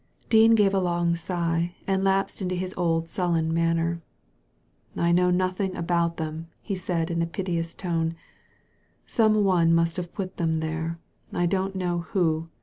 Dean gave a long sigh, and lapsed into his old sullen manner. ''I know nothing about them," he said in a piteous tone ;" some one must have put them there. I don't know who.